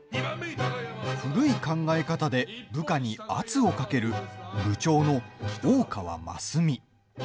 古い考え方で部下に圧をかける部長の大河真澄。